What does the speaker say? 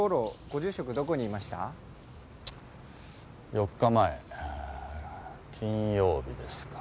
４日前金曜日ですか。